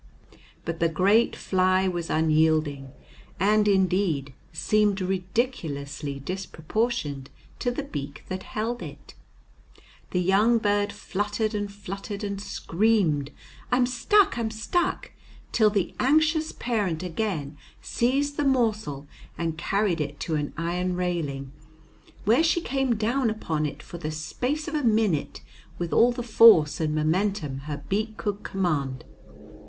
But the great fly was unyielding, and, indeed, seemed ridiculously disproportioned to the beak that held it. The young bird fluttered and fluttered, and screamed, "I'm stuck, I'm stuck!" till the anxious parent again seized the morsel and carried it to an iron railing, where she came down upon it for the space of a minute with all the force and momentum her beak could command.